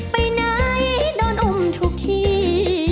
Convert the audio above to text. ไปไหนโดนอุ้มทุกที